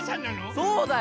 そうだよ。